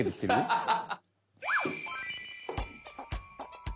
ハハハハ！